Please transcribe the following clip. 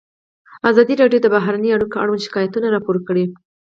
ازادي راډیو د بهرنۍ اړیکې اړوند شکایتونه راپور کړي.